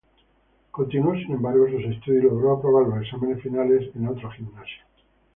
Continuó, sin embargo, sus estudios, y logró aprobar los exámenes finales en otro gimnasio.